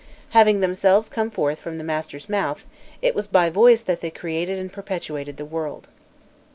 Having themselves come forth from the master's mouth, it was by voice that they created and perpetuated the world.